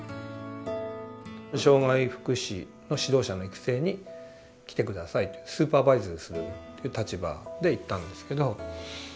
障害福祉の指導者の育成に来て下さいとスーパーバイズするという立場で行ったんですけど。